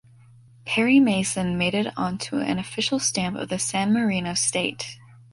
Perry Mason made it onto an official stamp of the San Marino state.